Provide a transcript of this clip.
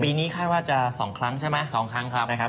ปีนี้คาดว่าจะสองครั้งใช่ไหมสองครั้งครับ